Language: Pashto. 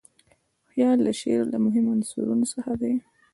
خیال د شعر له مهمو عنصرو څخه دئ.